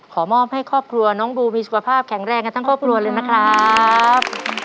มอบให้ครอบครัวน้องบูมีสุขภาพแข็งแรงกันทั้งครอบครัวเลยนะครับ